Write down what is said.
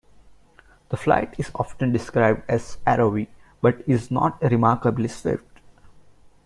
The flight is often described as arrowy, but is not remarkably swift.